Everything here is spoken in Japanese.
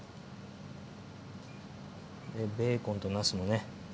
ベーコンとなすもね。